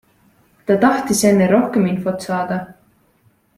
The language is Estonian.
Ta tahtis enne rohkem infot saada.